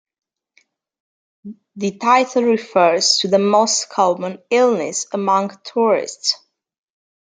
The title refers to the most common illness among tourists.